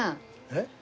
えっ？